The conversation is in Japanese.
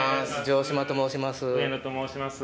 城島と申します。